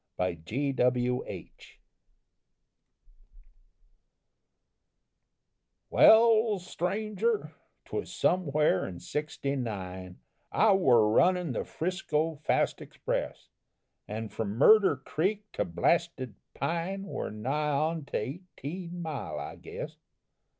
_ "Well, stranger, 'twas somewhere in 'sixty nine I wore runnin' the 'Frisco fast express; An' from Murder Creek to Blasted Pine, Were nigh onto eighteen mile, I guess.